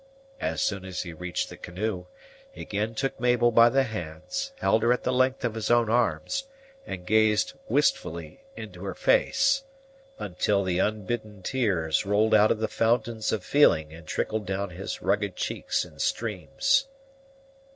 As soon as he reached the canoe, he again took Mabel by the hands, held her at the length of his own arms, and gazed wistfully into her face, until the unbidden tears rolled out of the fountains of feeling and trickled down his rugged cheeks in streams.